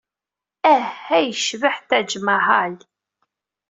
Ah! Ay yecbeḥ Taj Maḥal!